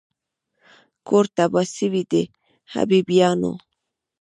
کور تباه سوی د حبیبیانو